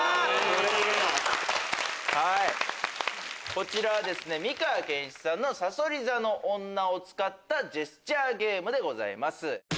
こちらは美川憲一さんの『さそり座の女』を使ったジェスチャーゲームでございます。